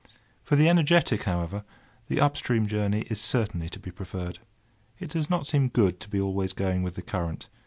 For the energetic, however, the up stream journey is certainly to be preferred. It does not seem good to be always going with the current.